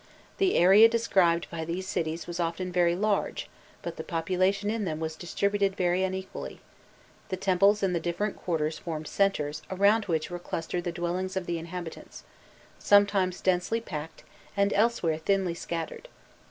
The area described by these cities was often very large, but the population in them was distributed very unequally; the temples in the different quarters formed centres around which were clustered the dwellings of the inhabitants, sometimes densely packed, and elsewhere thinly scattered.